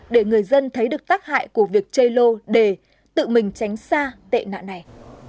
để người dân thấy được tác hại của việc chơi lô đề tự mình tránh xa tệ nạn này